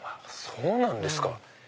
そうなんですか。